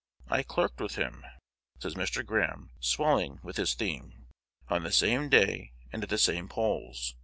I clerked with him," says Mr. Graham, swelling with his theme, "on the same day and at the same polls.